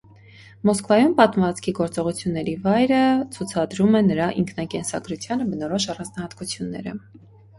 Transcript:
Մոսկվայում պատմվածքի գործողությունների վայրը ցուցադրում է նրա ինքնակենսագրությանը բնորոշ առանձնահատկությունները։